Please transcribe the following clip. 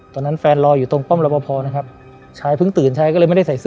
ตอนนั้นแฟนรออยู่ตรงป้อมรับพอนะครับชายเพิ่งตื่นชายก็เลยไม่ได้ใส่เสื้อ